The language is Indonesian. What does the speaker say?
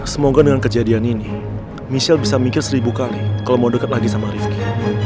semoga dengan kejadian ini michelle bisa mikir seribu kali kalau mau dekat lagi sama rifki